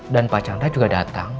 dan pak chandra juga datang